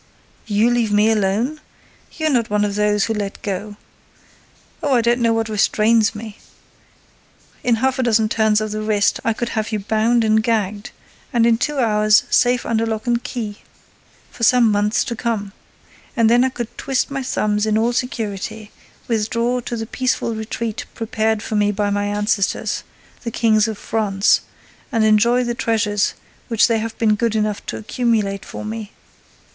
You leave me alone? You're not one of those who let go! Oh, I don't know what restrains me! In half a dozen turns of the wrist, I could have you bound and gagged—and, in two hours, safe under lock and key, for some months to come. And then I could twist my thumbs in all security, withdraw to the peaceful retreat prepared for me by my ancestors, the Kings of France, and enjoy the treasures which they have been good enough to accumulate for me.